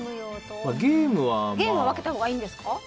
ゲームは分けたほうがいいんですか？